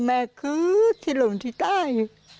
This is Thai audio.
เหยือบที่ลบที่ใต้